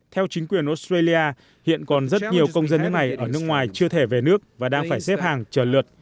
theo chính quyền australia hiện còn rất nhiều công dân nước này ở nước ngoài chưa thể về nước và đang phải xếp hàng chờ lượt